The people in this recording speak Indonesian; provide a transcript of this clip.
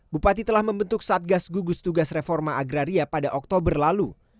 bupati telah membentuk satgas gugus tugas reforma agraria pada oktober lalu